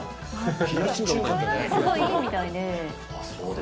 体にすごいいいみたいで。